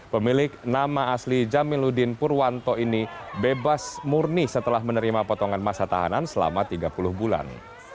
pemilik nama asli jaminuddin purwanto ini bebas murni setelah menerima potongan masa tahanan selama tiga puluh bulan